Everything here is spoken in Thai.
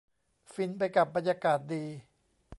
ฟินไปกับบรรยากาศดี